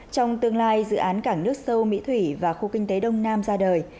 trong tương lai dự án cảng nước sâu mỹ thủy và khu kinh tế đông nam ra đời